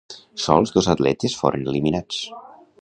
Sols dos atletes foren eliminats.